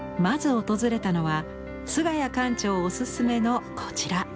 まず訪れたのは菅谷館長おすすめのこちら。